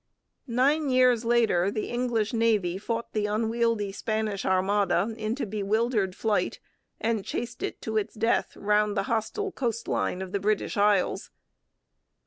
Nine years later the English Navy fought the unwieldy Spanish Armada into bewildered flight and chased it to its death round the hostile coast line of the British Isles.